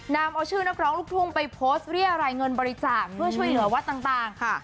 นำเอาชื่อนักร้องลูกทุ่งไปโพสต์เรียรายเงินบริจาคเพื่อช่วยเหลือวัดต่างค่ะ